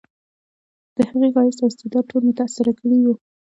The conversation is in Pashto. د هغې ښایست او استعداد ټول متاثر کړي وو